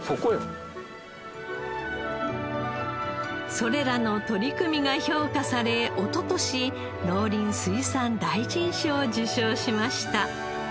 それらの取り組みが評価されおととし農林水産大臣賞を受賞しました。